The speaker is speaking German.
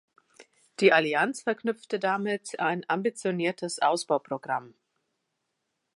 Die Allianz verknüpfte damit ein ambitioniertes Ausbauprogramm.